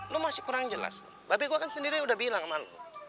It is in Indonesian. lo masih kurang jelas babi gue kan sendiri udah bilang sama lo